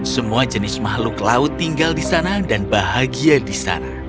semua jenis makhluk laut tinggal di sana dan bahagia di sana